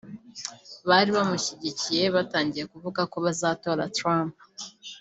Abari bamushyigikiye batangiye kuvuga ko bazatora Trump